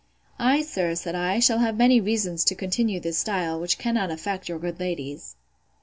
I, sir, said I, shall have many reasons to continue this style, which cannot affect your good ladies.